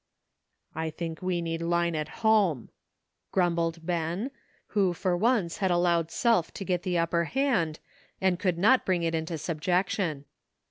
" "I think we need Line at home," grumbled Ben, who for once had allowed self to get the upper hand, and could not bring it into subjec tion.